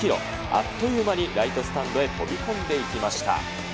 あっという間にライトスタンドへ飛び込んでいきました。